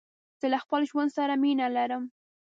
زه له خپل ژوند سره مينه لرم.